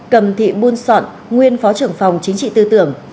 cầm thị buôn sọn nguyên phó trưởng phòng chính trị tư tưởng